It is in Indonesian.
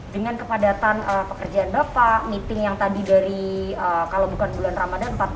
dengan kepadatan pekerjaan bapak meeting yang tadi dari kalau bukan bulan ramadhan empat puluh